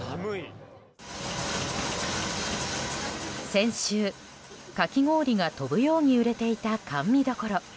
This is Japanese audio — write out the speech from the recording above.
先週、かき氷が飛ぶように売れていた甘味処。